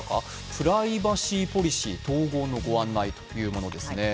「プライバシーポリシー統合のご案内」というものですね。